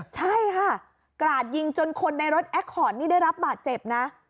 ใช่ค่ะกราดยิงจนคนในรถแอคคอร์ดนี่ได้รับบาดเจ็บนะ